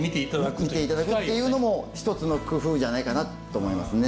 見ていただくっていうのも一つの工夫じゃないかなと思いますね。